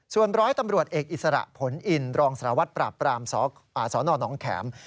ส่วนร้อยตำรวจเอกอิสระผลอินรองสารวัตรปราบปรามสนหนองแข็ม